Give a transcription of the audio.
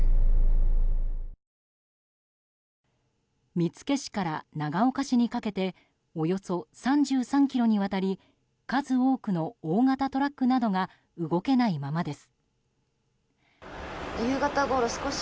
見附市から長岡市にかけておよそ３３ｋｍにわたり数多くの大型トラックなどが動けないままです。